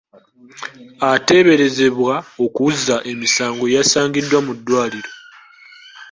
Ateeberezebwa okuzza emisango yasangiddwa mu ddwaliro.